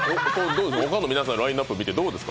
他の皆さんのラインナップ見てどうですか。